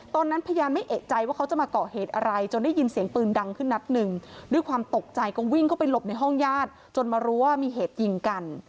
ตอนนั้นพยานไม่เอกใจว่าเขาจะมาเกาะเหตุอะไรจนได้ยินเสียงปืนดังขึ้นนัดหนึ่งด้วยความตกใจก็วิ่งเข้าไปหลบในห้องญาติจนมารู้ว่ามีเหตุยิงกัน